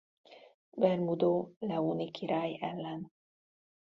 Bermudo leóni király ellen.